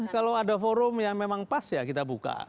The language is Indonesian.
kalau ada forum yang memang pas ya kita buka